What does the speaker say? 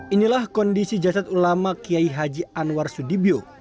inilah kondisi jasad ulama kiai haji anwar sudibyo